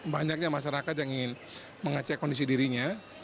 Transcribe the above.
banyaknya masyarakat yang ingin mengecek kondisi dirinya